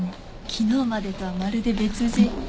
昨日までとはまるで別人。